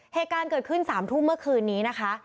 เหตุการณ์เกิดขึ้น๓ทุ่มเมื่อคืนนี้นะคะ